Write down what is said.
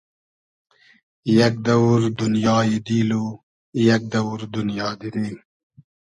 یئگ دئوور دونیای دیل و یئگ دئوور دونیا دیری